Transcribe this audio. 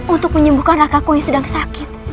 untuk menyembuhkan kakakku yang sedang sakit